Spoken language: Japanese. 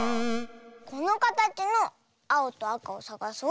このかたちのあおとあかをさがそう。